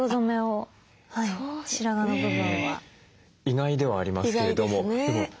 意外ではありますけれども。